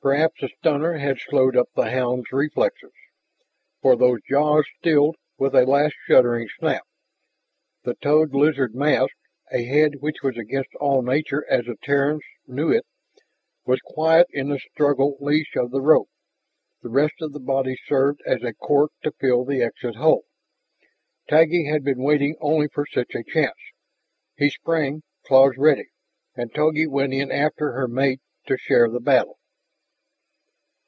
Perhaps the stunner had slowed up the hound's reflexes, for those jaws stilled with a last shattering snap, the toad lizard mask a head which was against all nature as the Terrans knew it was quiet in the strangle leash of the rope, the rest of the body serving as a cork to fill the exit hole. Taggi had been waiting only for such a chance. He sprang, claws ready. And Togi went in after her mate to share the battle.